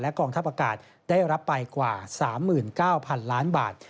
กองทัพอากาศได้รับไปกว่า๓๙๐๐๐ล้านบาท